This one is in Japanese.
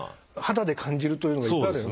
肌で感じるというのがいっぱいある。